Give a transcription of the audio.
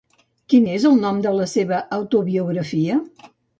Quin és el nom de la seva autobiografia?